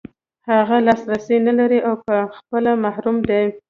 هغه لاسرسی نلري او په خپله محروم دی.